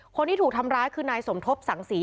คนที่ถูกทำร้ายคือนายสมทบสังศรี